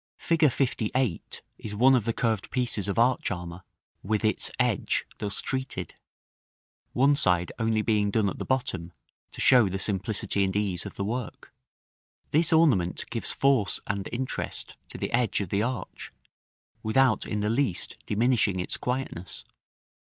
Fig. LVIII. is one of the curved pieces of arch armor, with its edge thus treated; one side only being done at the bottom, to show the simplicity and ease of the work. This ornament gives force and interest to the edge of the arch, without in the least diminishing its quietness.